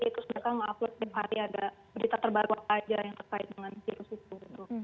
terus mereka mengupload tiap hari ada berita terbaru apa aja yang terkait dengan virus itu